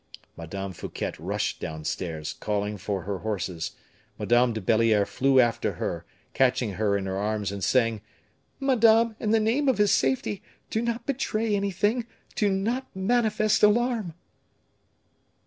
Madame Fouquet rushed downstairs, calling for her horses; Madame de Belliere flew after her, catching her in her arms, and saying: "Madame, in the name of his safety, do not betray anything, do not manifest alarm."